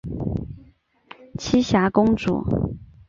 栖霞公主。